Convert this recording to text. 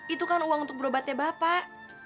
itu kan uang untuk berobatnya bapak